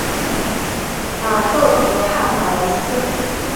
马特河畔马雷斯。